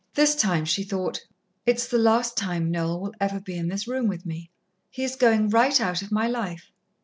This time she thought: "It's the last time Noel will ever be in this room with me. He is going right out of my life."